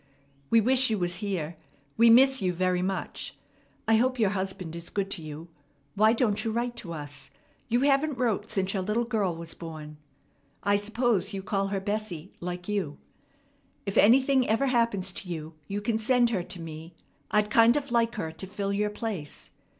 We wish you was here. We miss you very much. I hope your husband is good to you. Why don't you write to us? You haven't wrote since your little girl was born. I s'pose you call her Bessie like you. If anything ever happens to you, you can send her to me. I'd kind of like her to fill your place.